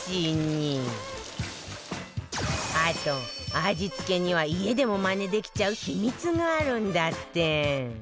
あと味付けには家でもマネできちゃう秘密があるんだって